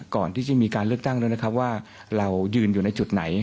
ก่อนที่จะมีการเลือกตั้งด้วยนะครับว่าเรายืนอยู่ในจุดไหน